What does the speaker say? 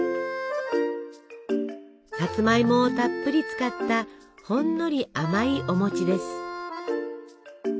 さつまいもをたっぷり使ったほんのり甘いお餅です。